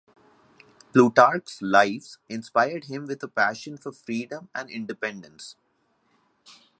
Plutarch's "Lives" inspired him with a passion for freedom and independence.